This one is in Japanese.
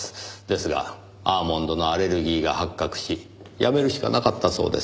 ですがアーモンドのアレルギーが発覚し辞めるしかなかったそうです。